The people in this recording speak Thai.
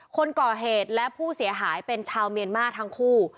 คนก่อเหตุและผู้เสียหายเป็นชาวเมียนมาร์ทั้งคู่